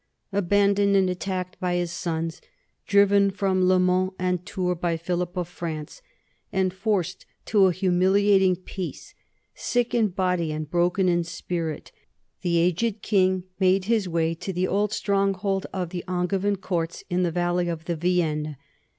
Abandoned and attacked by his sons, driven from LeMans and Tours by Philip of France and forced to a humiliating peace, sick in body and broken in spirit, the aged king made his way to the old stronghold of the Angevin counts in the val ley of the Vienne.